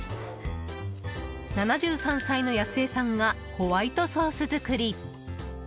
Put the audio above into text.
７３歳のやす江さんがホワイトソース作り。